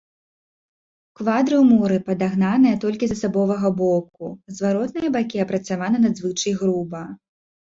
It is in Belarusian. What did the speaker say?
Квадры ў муры падагнаныя толькі з асабовага боку, зваротныя бакі апрацаваны надзвычай груба.